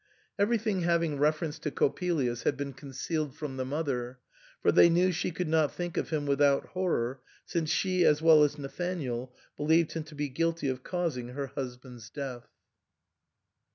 Everything having reference to Coppelius had been concealed from the mother, for they knew she could not think of him without horror, since she as well as Nathanael believed him to be guilty of causing her husband's death.